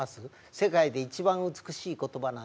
世界で一番美しい言葉なんですって。